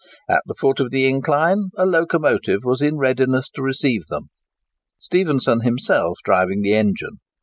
At the foot of the incline a locomotive was in readiness to receive them, Stephenson himself driving the engine.